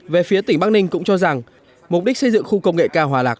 về phía tỉnh bắc ninh cũng cho rằng mục đích xây dựng khu công nghệ cao hòa lạc